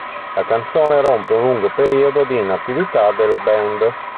La canzone rompe un lungo periodo di inattività della band.